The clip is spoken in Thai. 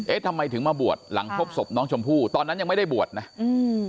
ทำไมถึงมาบวชหลังพบศพน้องชมพู่ตอนนั้นยังไม่ได้บวชนะอืม